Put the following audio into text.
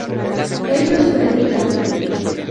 ellos predican